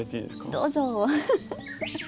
どうぞ！